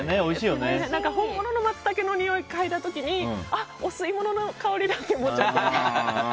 本物のマツタケのにおいを嗅いだ時にお吸い物の香りだ！って思って。